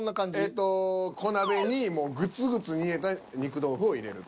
えっと小鍋にもうグツグツ煮えた肉豆腐を入れると。